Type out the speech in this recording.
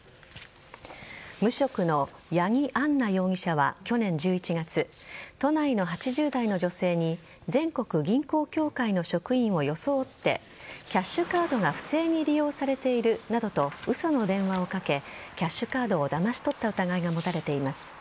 無職の八木杏奈容疑者は去年１１月都内の８０代の女性に全国銀行協会の職員を装ってキャッシュカードが不正に利用されているなどと嘘の電話をかけキャッシュカードをだまし取った疑いが持たれています。